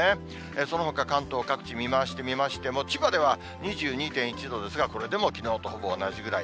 そのほか関東各地見回してみましても、千葉では２２．１度ですが、これでもきのうとほぼ同じくらい。